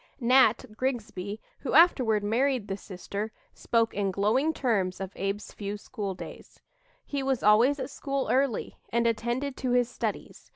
"Nat" Grigsby, who afterward married the sister, spoke in glowing terms of Abe's few school days: "He was always at school early, and attended to his studies.